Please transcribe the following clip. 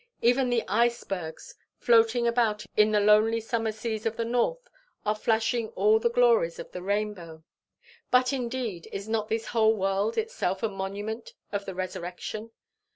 Even the icebergs floating about in the lonely summer seas of the north are flashing all the glories of the rainbow. But, indeed, is not this whole world itself a monument of the Resurrection?